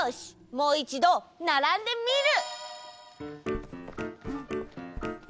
もういちどならんでみる！